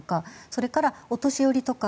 それからお年寄りとか